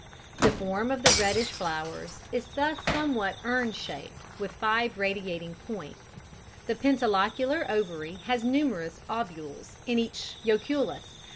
The form of the reddish flowers is thus somewhat urn shaped with five radiating points. The pentalocular ovary has numerous ovules in each loculus.